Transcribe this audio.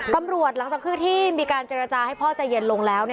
หลังจากที่มีการเจรจาให้พ่อใจเย็นลงแล้ว